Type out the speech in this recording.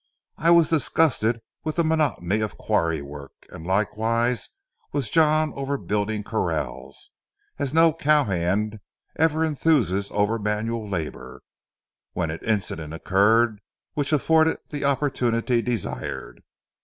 I was disgusted with the monotony of quarry work, and likewise was John over building corrals, as no cow hand ever enthuses over manual labor, when an incident occurred which afforded the opportunity desired.